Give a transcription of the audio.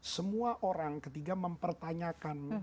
semua orang ketika mempertanyakan